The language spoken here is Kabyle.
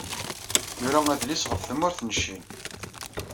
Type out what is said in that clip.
Yura adlis ɣef tmurt n Ccin.